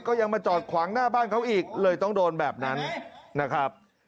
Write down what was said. ก็ยังมาจอดขวางหน้าบ้านเขาอีกเลยต้องโดนแบบนั้นนะครับ